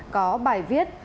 có bài viết